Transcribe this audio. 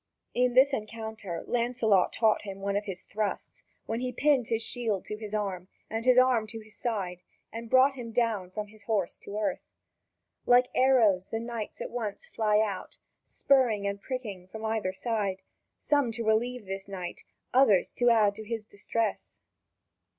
In this encounter Lancelot taught him one of his thrusts, when he pinned his shield to his arm, and his arm to his side, and brought him down from his horse to earth. Like arrows the knights at once fly out, spurring and pricking from either side, some to relieve this knight, others to add to his distress.